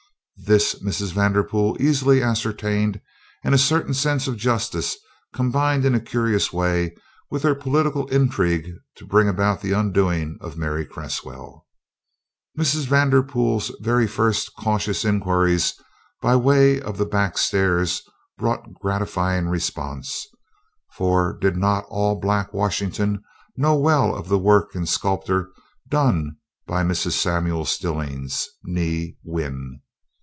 This Mrs. Vanderpool easily ascertained and a certain sense of justice combined in a curious way with her political intrigue to bring about the undoing of Mary Cresswell. Mrs. Vanderpool's very first cautious inquiries by way of the back stairs brought gratifying response for did not all black Washington know well of the work in sculpture done by Mrs. Samuel Stillings, nee Wynn?